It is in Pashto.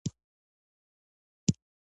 زه د علم د زده کړې لپاره متعهد یم.